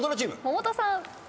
百田さん。